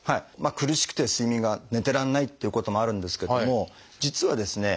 苦しくて睡眠が寝てられないっていうことあるんですけども実はですね